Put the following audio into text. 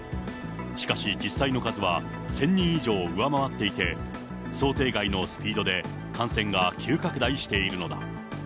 しかし実際の数は、１０００人以上上回っていて、想定外のスピードで感染が急拡大しているのだ。